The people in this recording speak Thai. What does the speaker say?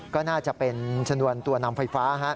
ก็น่าจะเป็นชนวนตัวนำไฟฟ้า